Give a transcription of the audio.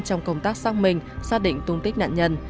trong công tác xác minh xác định tung tích nạn nhân